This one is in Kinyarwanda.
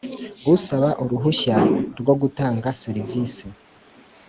Usaba uruhushya rwo gutanga serivisi